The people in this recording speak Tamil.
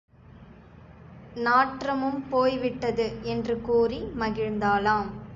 நாற்றமும் போய்விட்டது என்று கூறி மகிழ்ந்தாளாம்.